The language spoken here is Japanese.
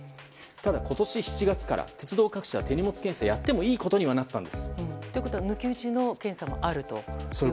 ただ、今年７月から鉄道各社は手荷物検査をやってもいいことには抜き打ちの検査もあると。